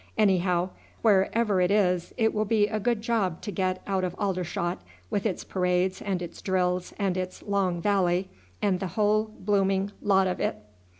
Anyhow, wherever it is it will be a good job to get out of Aldershot, with its parades and its drills and its Long Valley, and the whole blooming lot of it."